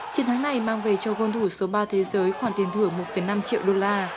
chiến thắng này mang về cho gôn thủ số ba thế giới khoản tiền thưởng một năm triệu đô la